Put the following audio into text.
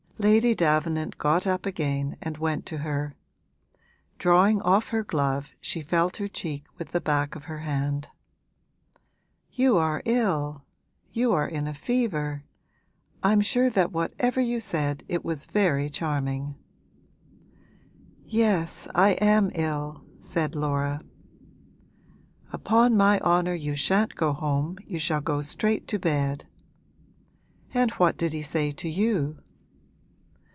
Lady Davenant got up again and went to her; drawing off her glove she felt her cheek with the back of her hand. 'You are ill, you are in a fever. I'm sure that whatever you said it was very charming.' 'Yes, I am ill,' said Laura. 'Upon my honour you shan't go home, you shall go straight to bed. And what did he say to you?'